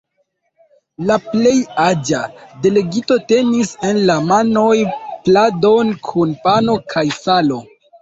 La plej aĝa delegito tenis en la manoj pladon kun pano kaj salo.